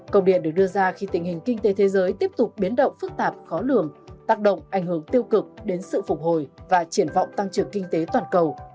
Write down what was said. công điện được đưa ra khi tình hình kinh tế thế giới tiếp tục biến động phức tạp khó lường tác động ảnh hưởng tiêu cực đến sự phục hồi và triển vọng tăng trưởng kinh tế toàn cầu